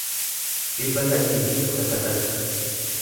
dhibba sadii fi kudha sagal